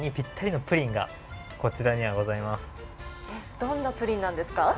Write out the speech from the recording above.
どんなプリンなんですか？